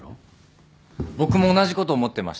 僕も同じこと思ってました。